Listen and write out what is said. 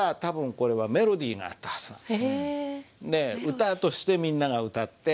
歌としてみんなが歌って。